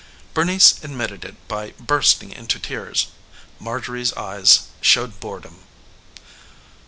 Bernice admitted it by bursting into tears. Marjorie's eyes showed boredom.